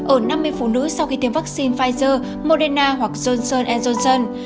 ở năm mươi phụ nữ sau khi tiêm vaccine pfizer moderna hoặc johnson e johnson